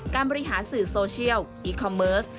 การบริหารสื่อโซเชียลอีคอมเมิร์ส